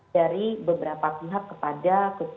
dari beberapa pihak kepada